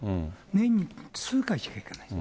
年に数回しか行かないと。